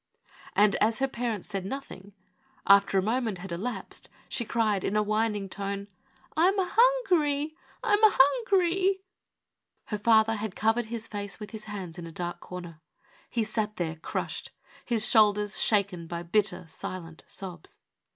And, 332 OUT OF WORK. as her parents said nothing, after a moment had elapsed, she cried, in a whining tone :" I am hungry I I am hungry !" Her father had covered his face with his hands in a dark corner. He sat there, crushed, his shoulders shaken by bitter, silent sobs.